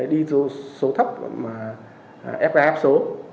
đi số thấp ép gai áp số